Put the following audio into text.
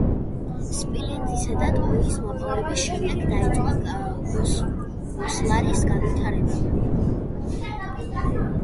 სპილენძისა და ტყვიის მოპოვების შემდეგ დაიწყო გოსლარის განვითარება.